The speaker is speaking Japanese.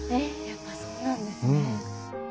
やっぱそうなんですね。